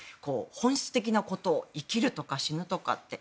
本質的なこと生きるとか死ぬとかって。